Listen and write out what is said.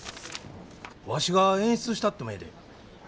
わしが演出したってもええで。